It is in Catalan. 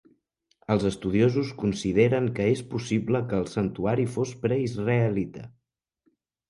Els estudiosos consideren que és possible que el santuari fos pre-israelita.